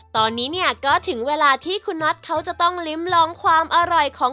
ตอนนี้เนี่ยก็ถึงเวลาที่คุณน็อตเขาจะต้องลิ้มลองความอร่อยของ